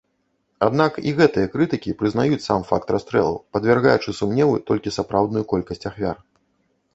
Аднак і гэтыя крытыкі прызнаюць сам факт расстрэлаў, падвяргаючы сумневу толькі сапраўдную колькасць ахвяр.